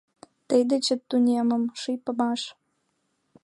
Тый дечет тунемым, ший памаш.